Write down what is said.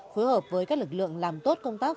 phối hợp với các lực lượng làm tốt công tác